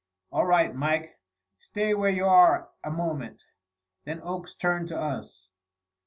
"All right, Mike! Stay where you are a moment." Then Oakes turned to us.